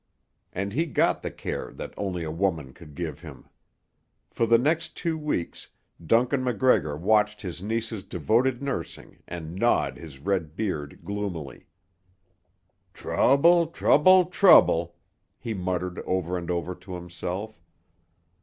And he got the care that only a woman could give him. For the next two weeks Duncan MacGregor watched his niece's devoted nursing and gnawed his red beard gloomily. "Trouble—trouble—trouble!" he muttered over and over to himself.